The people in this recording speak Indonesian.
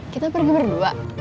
kita pergi berdua